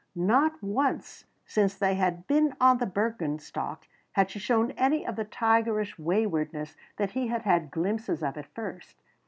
Not once, since they had been on the Bürgenstock, had she shown any of the tigerish waywardness that he had had glimpses of at first.